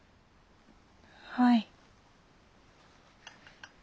はい。